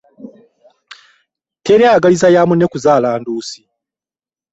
Teri ayagaliza ya munne kuzaala nduusi.